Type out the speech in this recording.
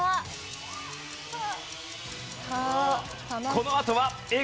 このあとはＡぇ！